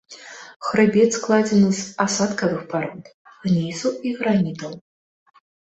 Хрыбет складзены з асадкавых парод, гнейсу і гранітаў.